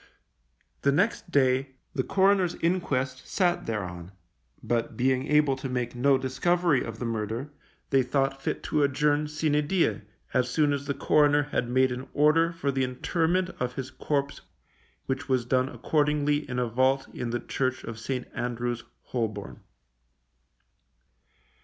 The next day the coroner's inquest sat thereon, but being able to make no discovery of the murder, they thought fit to adjourn sine die, as soon as the coroner had made an order for the interment of his corpse which was done accordingly in a vault in the church of St. Andrew's, Holborn.